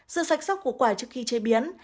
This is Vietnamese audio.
rửa sạch sóc của quả trước khi chế biến